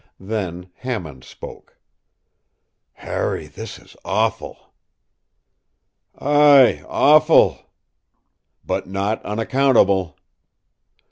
Then Hammond spoke. “Harry, this is awful.” “Ay, awful.” “But not unaccountable.